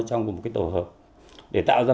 trong một tổ hợp để tạo ra